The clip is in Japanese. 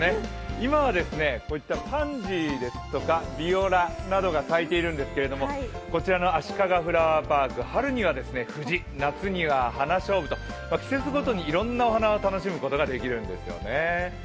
今はパンジーですとかビオラなどが咲いているんですけれどもこちらのあしかがフラワーパーク、春には藤、夏には花しょうぶと季節ごとにいろんなお花を楽しむことができるんですよね。